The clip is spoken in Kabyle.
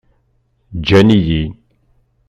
Ǧǧan-iyi.